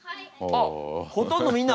あっほとんどみんな！